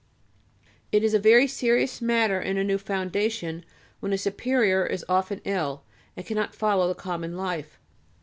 It is a very serious matter in a new foundation when a superior is often ill, and cannot follow the common life.